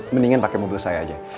mendingan pakai mobil saya aja